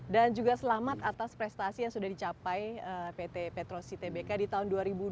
dan juga selamat atas prestasi yang sudah dicapai pt petrosi tbk di tahun dua ribu dua puluh